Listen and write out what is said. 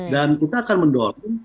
dan kita akan mendorong